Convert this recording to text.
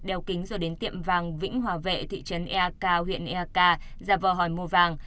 đeo kính rồi đến tiệm vàng vĩnh hòa vệ thị trấn eak huyện eak giả vờ hỏi mua vàng